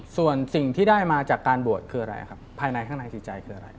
ส่วนสิ่งที่ได้มาจากการบวชคืออะไรครับภายในข้างในจิตใจคืออะไร